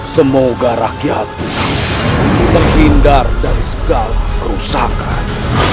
semoga rakyatku terhindar dari segala kerusakan